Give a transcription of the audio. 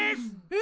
え？